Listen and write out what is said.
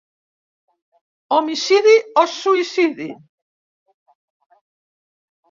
Homicidi o suïcidi?